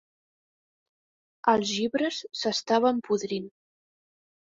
Els llibres s'estaven podrint.